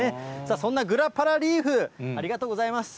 そんなグラパラリーフ、ありがとうございます。